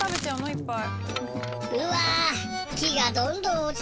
いっぱい。